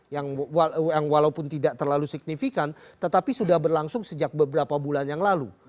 yang walaupun tidak terlalu signifikan tetapi sudah berlangsung sejak beberapa bulan yang lalu